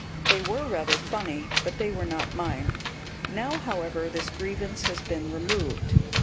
They were rather funny, but they were not mine. Now, however, this grievance has been removed.